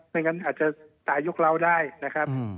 ไม่งั้นอาจจะตายกเล้าได้นะครับ